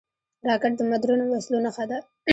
راکټ د مدرنو وسلو نښه ده